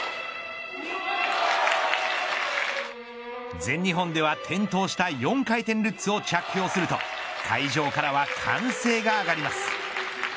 全日本では転倒した４回転ルッツを着氷すると会場からは歓声が上がります。